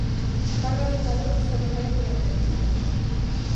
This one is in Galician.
Vaga de calor suavizada pola brétema.